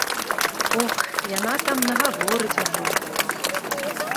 Ох, яна там нагаворыць ужо!